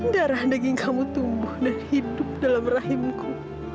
darah daging kamu tumbuh dan hidup dalam rahimku